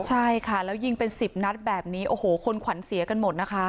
ใช่ค่ะแล้วยิงเป็น๑๐นัดแบบนี้โอ้โหคนขวัญเสียกันหมดนะคะ